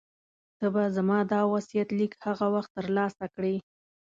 ته به زما دا وصیت لیک هغه وخت ترلاسه کړې.